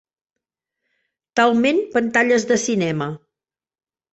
Talment pantalles de cinema.